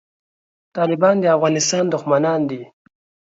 طالبان د افغانستان دښمنان دي